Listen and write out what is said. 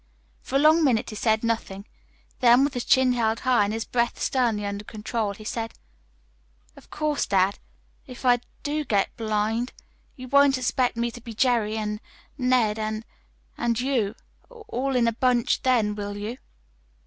For a long minute he said nothing; then, with his chin held high and his breath sternly under control, he said: "Of course, dad, if I do get blind, you won't expect me to be Jerry, and Ned, and and you, all in a bunch, then, will you?"